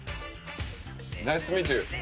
ナイストゥミートユー。